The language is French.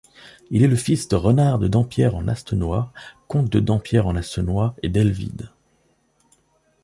Il est le fils de Renard de Dampierre-en-Astenois, comte de Dampierre-en-Astenois, et d'Helvide.